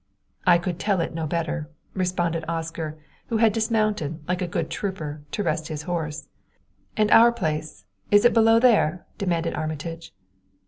"I could not tell it better," responded Oscar, who had dismounted, like a good trooper, to rest his horse. "And our place is it below there?" demanded Armitage.